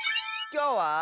きょうは。